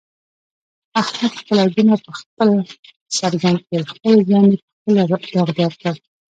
احمد خپل عیبونه په خپله څرګند کړل، خپل ځان یې په خپله داغدارکړ.